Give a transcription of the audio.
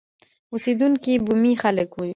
اوسېدونکي یې بومي خلک وو.